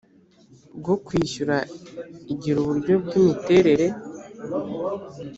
bwo kwishyura igira uburyo bw imiterere